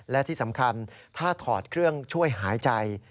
และที่สำคัญถ้าถอดเครื่องช่วยหายใจ